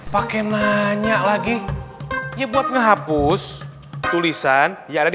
pakai nanya lagi ya buat ngehapus tulisan ya ada di